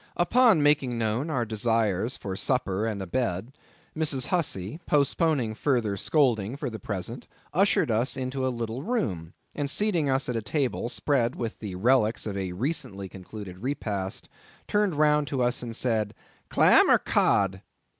Upon making known our desires for a supper and a bed, Mrs. Hussey, postponing further scolding for the present, ushered us into a little room, and seating us at a table spread with the relics of a recently concluded repast, turned round to us and said—"Clam or Cod?"